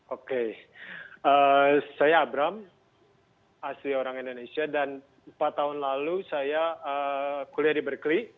oke saya abram asli orang indonesia dan empat tahun lalu saya kuliah di berkery